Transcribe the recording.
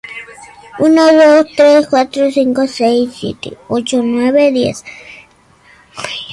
Es la opera prima del director.